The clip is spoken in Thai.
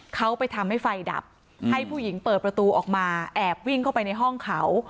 เขาไปทำให้ไฟดับให้ผู้หญิงเปิดประตูออกมาแอบวิ่งเข้าไปในห้องเขา